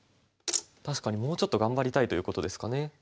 確かにもうちょっと頑張りたいということですかね。